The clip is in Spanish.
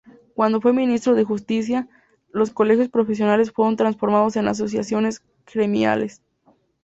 Cuando fue ministro de Justicia, los colegios profesionales fueron transformados en asociaciones gremiales.